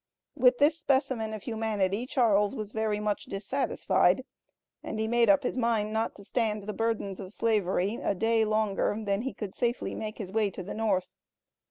With this specimen of humanity, Charles was very much dissatisfied, and he made up his mind not to stand the burdens of Slavery a day longer than he could safely make his way to the North.